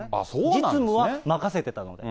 実務は任せていたので。